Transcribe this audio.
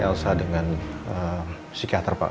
elsa dengan psikiater pak